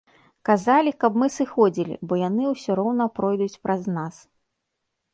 Казалі, каб мы сыходзілі, бо яны усё роўна пройдуць праз нас.